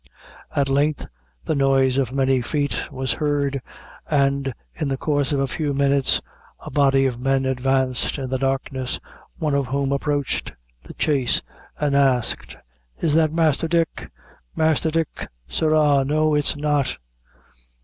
At length the noise of many feet was heard, and in the course of a few minutes a body of men advanced in the darkness, one of whom approached the chaise, and asked "Is that Masther Dick?" "Master Dick, sirrah: no, it's not."